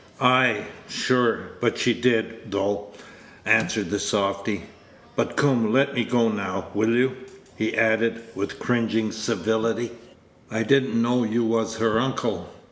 "Ay, sure; but she did, though," answered the softy. "But, coom, let me go now, will you?" he added, with cringing civility; "I did n't know you was her uncle.